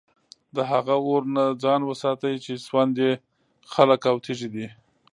له هغه اور نه ځان وساتئ چي سوند ئې خلك او تيږي دي